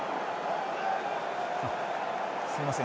すみません。